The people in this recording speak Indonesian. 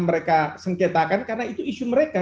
mereka sengketakan karena itu isu mereka